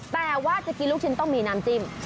แต่ว่าจะกินลูกชิ้นต้องมีน้ำจิ้ม